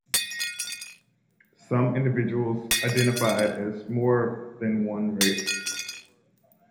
Some individuals identified as more than one race.